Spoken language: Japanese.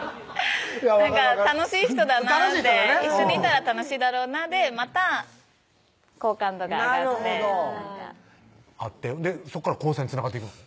楽しい人だなって楽しい人だね一緒にいたら楽しいだろうなでまた好感度が上がってそこから交際につながっていくの？